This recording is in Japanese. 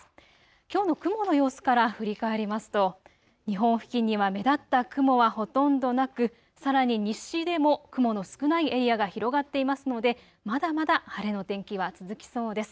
きょうの雲の様子から振り返りますと日本付近には目立った雲はほとんどなく、さらに西でも雲の少ないエリアが広がっていますので、まだまだ晴れの天気は続きそうです。